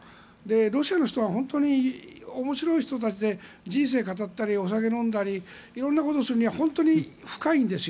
ロシアの人は本当に面白い人たちで人生語ったりお酒を飲んだり色んなことをするには本当に深いんですよ。